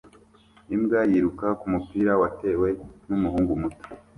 Imbwa yiruka kumupira watewe numuhungu muto